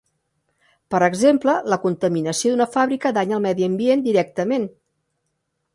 Per exemple, la contaminació d'una fàbrica danya el medi ambient directament.